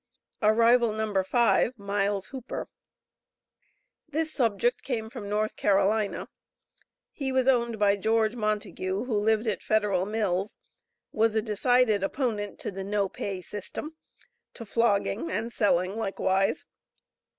Arrival No. 5. Miles Hooper. This subject came from North Carolina; he was owned by George Montigue, who lived at Federal Mills, was a decided opponent to the no pay system, to flogging, and selling likewise.